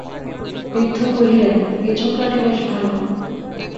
বৃদ্ধ কহিলেন, এ ছোকরাটি বেশ ভালো।